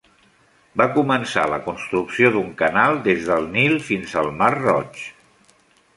Va començar la construcció d'un canal des del Nil fins al Mar Roig.